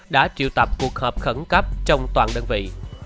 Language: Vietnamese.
đã triệu tập cuộc họp khẩn cấp trong toàn đơn vị